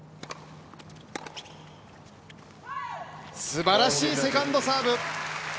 すばらしいセカンドサーブ！